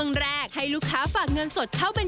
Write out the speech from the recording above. ง่ายไหมง่ายเลย